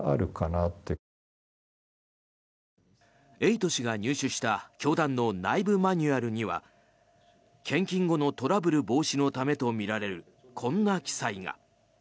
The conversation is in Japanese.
エイト氏が入手した教団の内部マニュアルには献金後のトラブル防止のためとみられるこんな記載が。